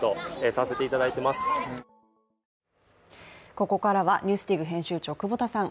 ここからは「ＮＥＷＳＤＩＧ」編集長久保田さん